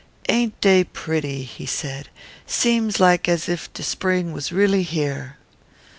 "Ain't dey pretty?" he said. "Seems like as if de spring was really here."